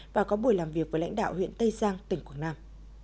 và có buổi làm việc với lãnh đạo huyện tây giang tỉnh quảng nam